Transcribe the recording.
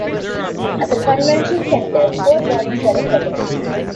At the Convention Center, four bodies were recovered.